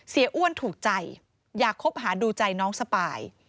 อ้วนถูกใจอยากคบหาดูใจน้องสปาย